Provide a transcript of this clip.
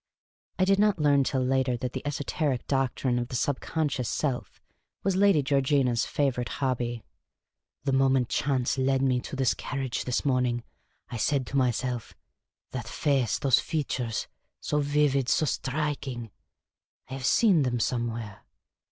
" (I did not learn till later that the esoteric doctrine of the sub conscious self was Lady Georgina's favourite hobby.) " The moment chance led me to this carriage this morning, I said to myself, ' That face, those features : so vivid, so striking : I have seen them somewhere.